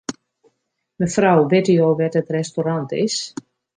Mefrou, witte jo wêr't it restaurant is?